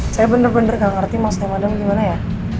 saya bener bener gak ngerti maksudnya madem gimana ya